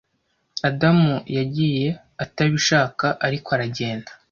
adamu yagiye atabishaka ariko aragenda